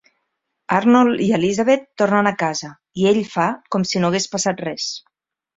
Arnold i Elizabeth tornen a casa, i ell fa com si no hagués passat res.